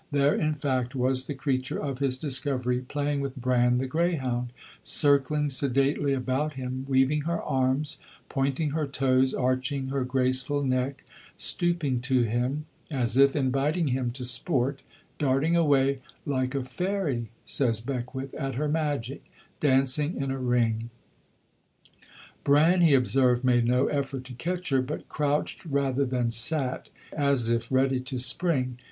There, in fact, was the creature of his discovery playing with Bran the greyhound, circling sedately about him, weaving her arms, pointing her toes, arching her graceful neck, stooping to him, as if inviting him to sport, darting away "like a fairy," says Beckwith, "at her magic, dancing in a ring." Bran, he observed, made no effort to catch her, but crouched rather than sat, as if ready to spring.